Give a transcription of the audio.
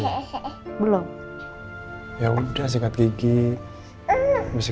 ia juga sih